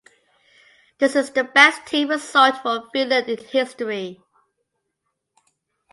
This is the best team result for Finland in history.